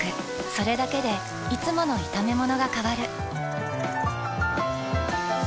それだけでいつもの炒めものが変わる。